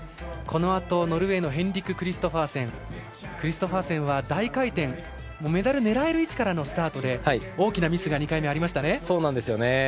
このあとはヘンリク・クリストファーセンクリストファーセンは大回転、メダル狙える位置からのスタートで大きなミスが２回目ありましたね。